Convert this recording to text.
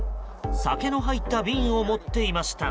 酒の入った瓶を持っていました。